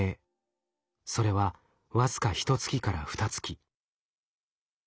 それは僅かひと月からふた月。